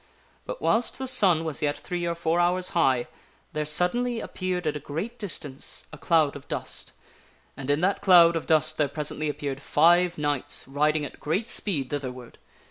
But, whilst the sun was yet three or four hours high, there suddenly appeared at a great distance a cloud of dust. And in that cloud Five knights ^ dust there presently appeared five knights, riding at great defender appear speed, thitherward.